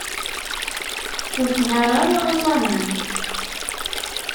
Ur teɣɣar ara aẓawan.